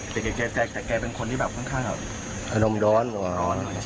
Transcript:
แต่แกแกแต่แกเป็นคนที่แบบค่อนข้างอ่ะอารมณ์ดร้อนอ่ะดร้อนใช่ไหม